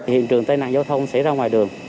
hiện trường tai nạn giao thông xảy ra ngoài đường